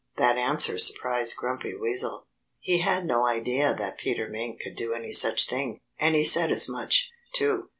That answer surprised Grumpy Weasel. He had no idea that Peter Mink could do any such thing. And he said as much, too.